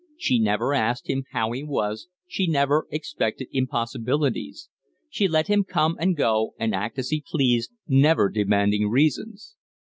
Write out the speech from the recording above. She never asked him how he was, she never expected impossibilities. She let him come and go and act as he pleased, never demanding reasons.